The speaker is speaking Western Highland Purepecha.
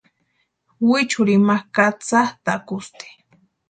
Wichurini ma katsatʼakusti.